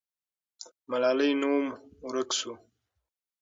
ملالۍ نوم ورک سو.